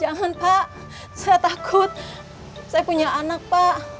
jangan pak saya takut saya punya anak pak